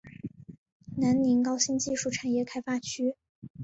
南宁高新技术产业开发区